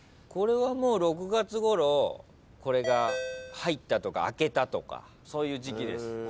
これはもう６月ごろこれが入ったとか明けたとかそういう時季です。